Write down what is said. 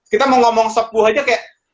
kita mau ngomong sop buah aja kayak